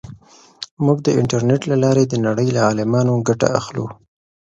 موږ د انټرنیټ له لارې د نړۍ له عالمانو ګټه اخلو.